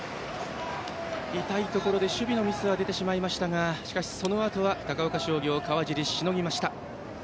痛いところで守備のミスが出てしまいましたがしかし、そのあとは高岡商業の川尻、しのぎました。